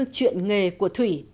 chuyện nghề của thủy